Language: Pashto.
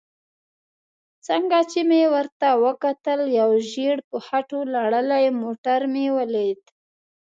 څنګه چې مې ورته وکتل یو ژېړ په خټو لړلی موټر مې ولید.